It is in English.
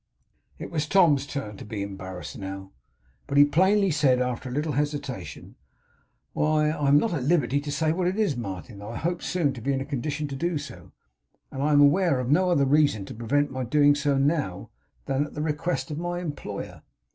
It was Tom's turn to be embarrassed now; but he plainly said, after a little hesitation: 'Why, I am not at liberty to say what it is, Martin; though I hope soon to be in a condition to do so, and am aware of no other reason to prevent my doing so now, than the request of my employer.